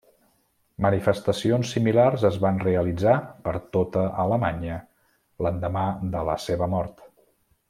Manifestacions similars es van realitzar per tota Alemanya l'endemà de la seva mort.